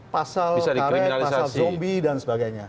pasal karet pasal zombie dan sebagainya